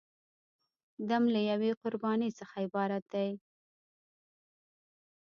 دم له یوې قربانۍ څخه عبارت دی.